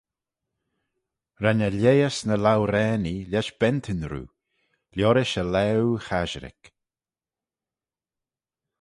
Ren eh lheihys ny louraanee lesh bentyn roo, liorish e laue chasherick.